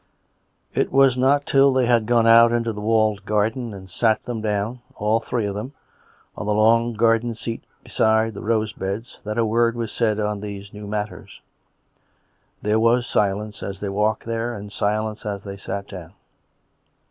It was not till they had gone out into the walled COME RACK! COME ROPE! 125 garden and sat them down, all three of them, on the long garden seat beside the rose beds, that a word was said on these new matters. There was silence as they walked there, and silence as they sat down.